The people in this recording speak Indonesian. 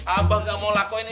abang gak mau lako ini